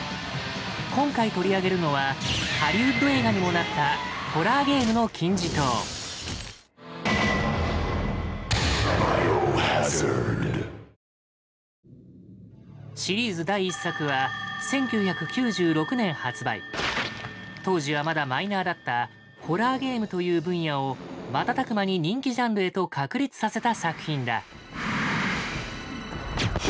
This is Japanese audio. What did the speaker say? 今回取り上げるのはハリウッド映画にもなったシリーズ第１作は当時はまだマイナーだった「ホラーゲーム」という分野を瞬く間に人気ジャンルへと確立させた作品だ。